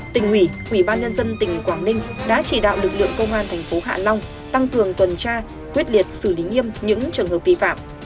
tỉnh ủy ủy ban nhân dân tỉnh quảng ninh đã chỉ đạo lực lượng công an thành phố hạ long tăng cường tuần tra quyết liệt xử lý nghiêm những trường hợp vi phạm